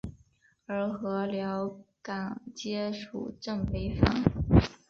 而禾寮港街属镇北坊。